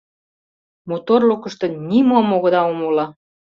— Моторлыкышто нимом огыда умыло!